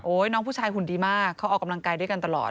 น้องผู้ชายหุ่นดีมากเขาออกกำลังกายด้วยกันตลอด